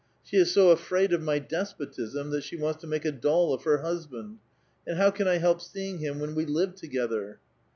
She is so afraid of my des potism that she wants to make a doll of her husband. And liow can I help seeing him when we live together?